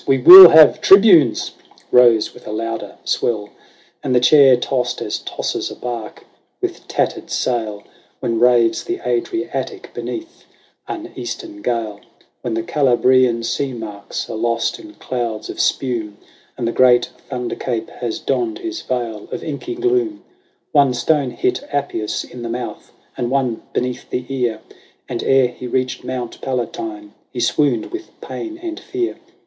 we will have Tribunes !"— rose with a louder swell: 174 LAYS OF ANCIENT ROME. And the chair tossed as tosses a bark with tattered sail When raves the Adriatic beneath an eastern gale, When the Calabrian sea marks are lost in clouds of spume, And the great Thunder Cape has donned his veil of inky gloom. One stone hit Appius in the mouth, and one beneath the ear ; And ere he reached Mount Palatine, he swooned with pain and fear.